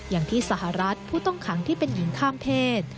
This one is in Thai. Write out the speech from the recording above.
อย่างที่สหรัฐผู้ต้องขังที่เป็นหญิงข้ามเพศ